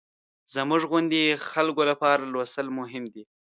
زموږ غوندې خلکو لپاره لوستل مهم دي.